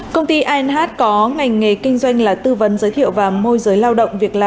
công ty anh có ngành nghề kinh doanh là tư vấn giới thiệu và môi giới lao động việc làm